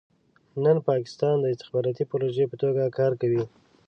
نن پاکستان د استخباراتي پروژې په توګه کار کوي.